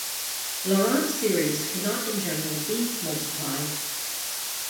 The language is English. Laurent series cannot in general be multiplied.